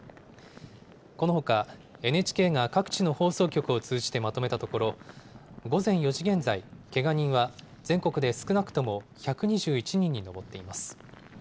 このほか、ＮＨＫが各地の放送局を通じてまとめたところ、午前４時現在、けが人は全国で少なくとも１２１人に上っています。